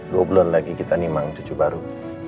dua bulan lagi kita nih mang cucu baru